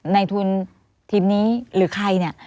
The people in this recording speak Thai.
ในทุนทีมนี้หรือใครเนี่ย